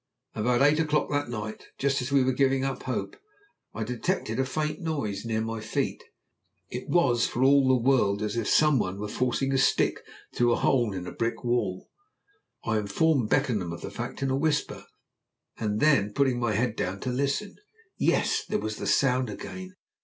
About eight o'clock that night, just as we were giving up hope, I detected a faint noise near my feet; it was for all the world as if some one were forcing a stick through a hole in a brick wall. I informed Beckenham of the fact in a whisper, and then put my head down to listen. Yes, there was the sound again.